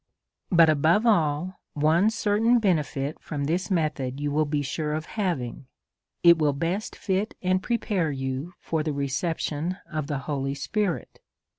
But, above all, one certain benefit from this method you Avill be sure of having, it will best fit and prepare you for the reception of the Holy Spirit.